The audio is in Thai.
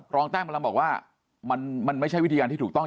แต้มกำลังบอกว่ามันไม่ใช่วิธีการที่ถูกต้อง